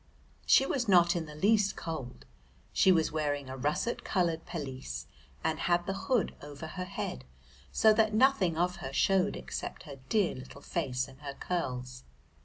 She was not in the least cold. She was wearing a russet coloured pelisse and had the hood over her head, so that nothing of her showed except her dear little face and her curls.